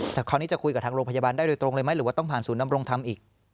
แต่คราวนี้จะคุยกับทางโรงพยาบาลได้โดยตรงเลยไหมหรือว่าต้องผ่านศูนย์นำรงธรรมอีก